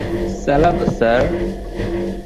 চালাব, স্যার!